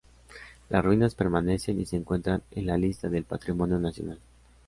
Las ruinas permanecen y se encuentran en la Lista del Patrimonio Nacional.